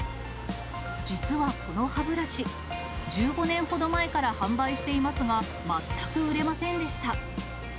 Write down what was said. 実はこの歯ブラシ、１５年ほど前から販売していますが、全く売れませんでした。